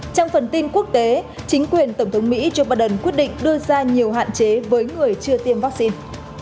trong phần tin quốc tế chính quyền tổng thống mỹ joe biden quyết định đưa ra nhiều hạn chế với người chưa tiêm vaccine